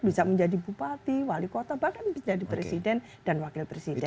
bisa menjadi bupati wali kota bahkan bisa jadi presiden dan wakil presiden